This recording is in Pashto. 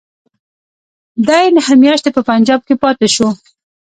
دی نهه میاشتې په پنجاب کې پاته شو.